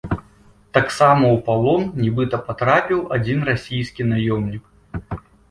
Таксама ў палон нібыта патрапіў адзін расійскі наёмнік.